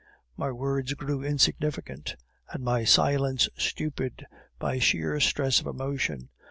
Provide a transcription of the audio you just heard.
My words grew insignificant, and my silence stupid, by sheer stress of emotion.